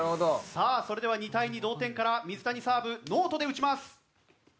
さあそれでは２対２同点から水谷サーブノートで打ちます。